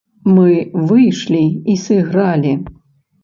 Мы выйшлі і сыгралі.